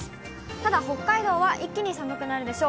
ただ北海道は一気に寒くなるでしょう。